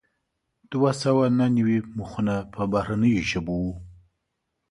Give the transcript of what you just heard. دوه سوه نهه نوي مخونه په بهرنیو ژبو وو.